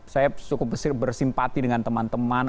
saya cukup bersimpati dengan teman teman